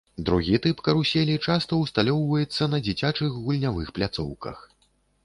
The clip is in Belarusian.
Другі тып каруселі часта ўсталёўваецца на дзіцячых гульнявых пляцоўках.